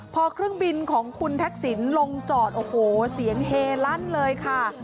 พอเครื่องบินของคุณทักษิณลงจอดโอ้โหเสียงเฮลั่นเลยค่ะ